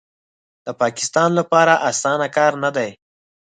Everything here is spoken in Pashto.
د پاکستان لپاره اسانه کار نه دی